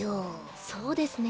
そうですね。